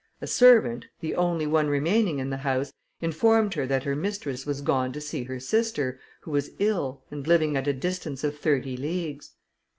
A servant, the only one remaining in the house, informed her that her mistress was gone to see her sister, who was ill, and living at a distance of thirty leagues.